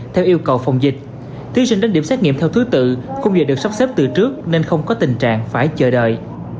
theo yêu cầu phòng dịch thí sinh đến điểm xét nghiệm theo thứ tự không giờ được sắp xếp từ trước nên không có tình trạng phải chờ đợi